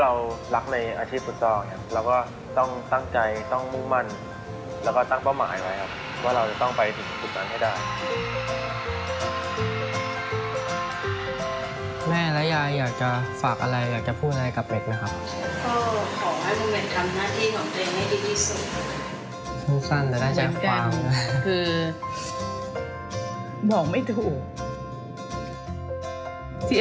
ขอบคุณทุกคนที่คอยสั่งด้านผมคอยสั่งด้านผมขอบคุณทุกคนที่คอยสั่งด้านผมขอบคุณทุกคนที่คอยสั่งด้านผมขอบคุณทุกคนที่คอยสั่งด้านผมขอบคุณทุกคนที่คอยสั่งด้านผมขอบคุณทุกคนที่คอยสั่งด้านผมขอบคุณทุกคนที่คอยสั่งด้านผมขอบคุณทุกคนที่คอยสั่งด้านผมขอบคุณทุกคนที่คอยสั่งด้านผมขอบคุณทุกคนที่คอยส